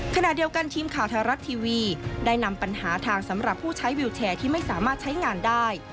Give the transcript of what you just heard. ขณะเดียวกันทีมข่าวไทยรัฐทีวีได้นำปัญหาทางสำหรับผู้ใช้วิวแชร์ที่ไม่สามารถใช้งานได้